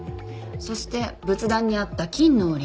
そして仏壇にあった金のお鈴。